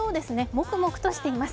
もくもくとしています。